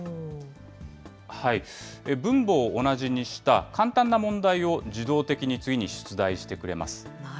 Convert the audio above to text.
分母を同じにした簡単な問題を自動的に次に出題してくれます。